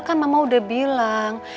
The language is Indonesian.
kan mama udah bilang